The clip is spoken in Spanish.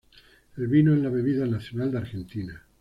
El vino es la bebida nacional de Argentina.